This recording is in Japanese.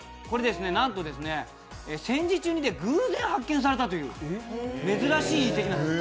なんと戦時中に偶然発見されたという珍しい遺跡なんです。